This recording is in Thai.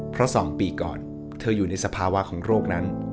เพราะ๒ปีก่อนเธออยู่ในสภาวะของโรคนั้น